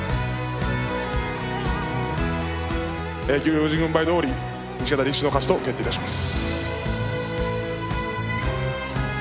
行司軍配どおり西方力士の勝ちと決定いたします。